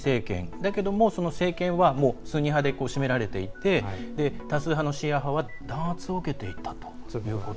だけれども、その政権はスンニ派で占められていて多数派のシーア派は弾圧を受けていたと。